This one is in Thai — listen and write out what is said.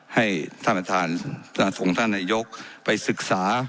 ให้ท่านประธานส่งท่านนายกไปศึกษา